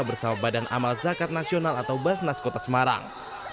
bersama badan amal zakat nasional atau basnas kota semarang